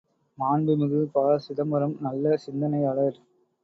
மாண்புமிகு ப.சிதம்பரம் நல்ல சிந்தனையாளர்.